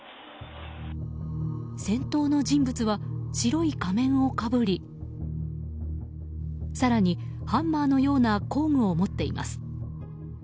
先頭の人物は、白い仮面をかぶり更に、ハンマーのような工具を持っています。